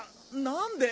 何で？